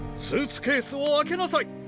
スーツケースを開けなさい。